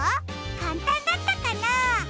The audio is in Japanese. かんたんだったかな？